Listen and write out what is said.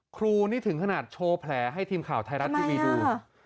ครูนี่ถึงขนาดโชว์แผลให้ทีมข่าวไทยรัฐทีวีดู